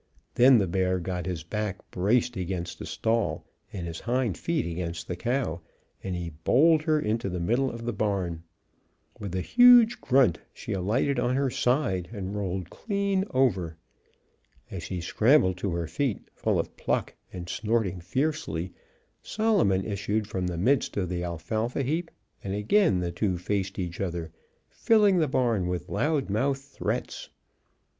Then the bear got his back braced against a stall and his hind feet against the cow, and he bowled her into the middle of the barn. With a huge grunt she alighted on her side and rolled clean over. As she scrambled to her feet, full of pluck and snorting fiercely, Solomon issued from the midst of the alfalfa heap, and again the two faced each other, filling the barn with loudmouthed threats.